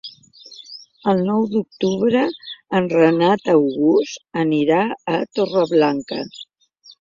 El nou d'octubre en Renat August anirà a Torreblanca.